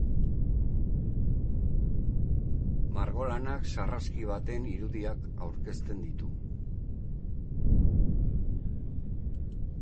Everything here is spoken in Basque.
Margolanak sarraski baten irudiak aurkezten ditu.